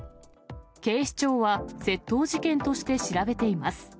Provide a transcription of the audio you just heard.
警視庁は窃盗事件として調べています。